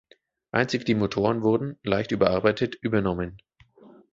Einzig die Motoren wurden, leicht überarbeitet, übernommen.